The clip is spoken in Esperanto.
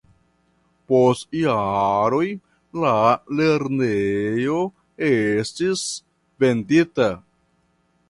Post jaroj la lernejo estis vendita.